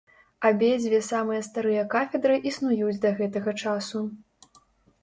Абедзве самыя старыя кафедры існуюць да гэтага часу.